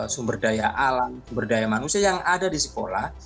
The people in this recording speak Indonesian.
sumber daya alam sumber daya manusia yang ada di sekolah